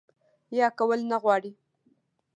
يا کول نۀ غواړي